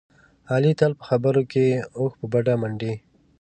علي تل په خبرو کې اوښ په بډه منډي.